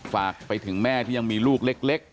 ฝากไปถึงแม่ที่ยังมีลูกเล็ก